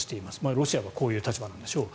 ロシアはこういう立場なんでしょう。